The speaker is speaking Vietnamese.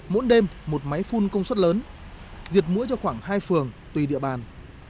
mỗi đêm một máy phun công suất lớn diệt mũi cho khoảng hai phường tùy địa bàn